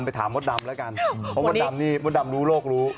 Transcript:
ไปถามมดดำแล้วกันเพราะมดดำนี่มดดำรู้โลกรู้